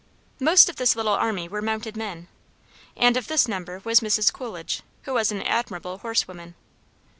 Most of this little army were mounted men, and of this number was Mrs. Coolidge, who was an admirable horsewoman.